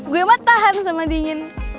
gue emang tahan sama dingin